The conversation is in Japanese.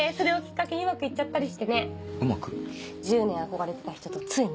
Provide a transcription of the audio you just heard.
１０年憧れてた人とついに。